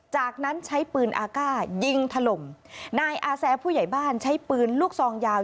จากนั้นใช้ปืนอากาศยิงถล่มนายอาแซผู้ใหญ่บ้านใช้ปืนลูกซองยาว